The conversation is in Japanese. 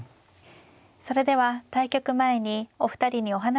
それでは対局前にお二人にお話を伺いました。